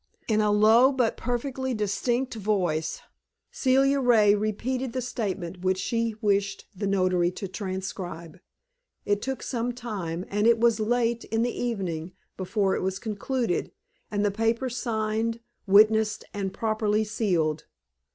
In a low but perfectly distinct voice, Celia Ray repeated the statement which she wished the notary to transcribe. It took some time, and it was late in the evening before it was concluded, and the paper signed, witnessed, and properly sealed.